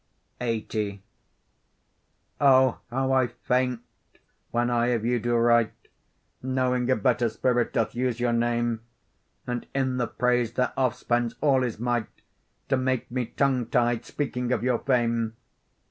LXXX O! how I faint when I of you do write, Knowing a better spirit doth use your name, And in the praise thereof spends all his might, To make me tongue tied speaking of your fame!